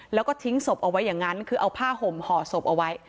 แล้วก็ทิ้งศพเอาไว้อย่างนั้นคือเอาผ้าห่มห่อศพเอาไว้